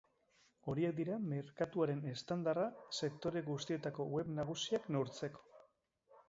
Horiek dira merkatuaren estandarra sektore guztietako web nagusiak neurtzeko.